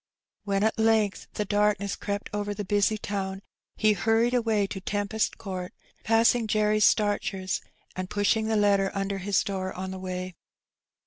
When at length the darkness crept over the busy town, he hurried away to Tempest Court, passing Jerry Starcher's, and pushing the letter under his door on the way.